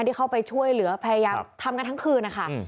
ที่เข้าไปช่วยเหลือพยายามทำกันทั้งคืนนะคะ